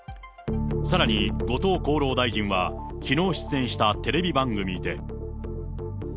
さらに後藤厚労大臣は、きのう出演したテレビ番組で。